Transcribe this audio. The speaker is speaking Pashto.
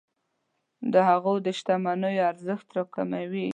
د هغوی د شتمنیو ارزښت راکموي.